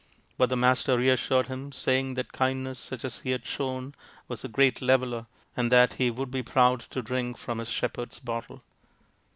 But the Master reassured him, saying that kindness such as he had shown was the great leveller and that he would be proud to drink from his shepherd's bottle.